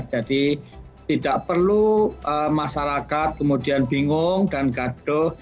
jadi tidak perlu masyarakat kemudian bingung dan gaduh